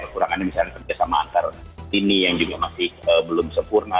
kurangannya misalnya kerjasama antar sini yang juga masih belum sempurna